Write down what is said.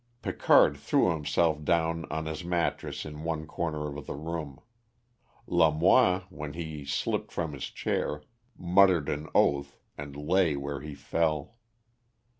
Picard threw himself down on his mattress in one corner of the room; Lamoine, when he slipped from his chair, muttered an oath, and lay where he fell.